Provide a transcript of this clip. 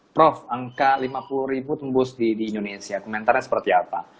prof angka lima puluh ribu tembus di indonesia komentarnya seperti apa